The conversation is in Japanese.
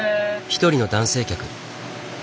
一人の男性客。